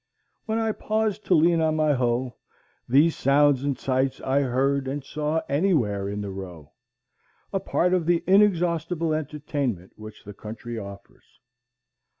When I paused to lean on my hoe, these sounds and sights I heard and saw anywhere in the row, a part of the inexhaustible entertainment which the country offers.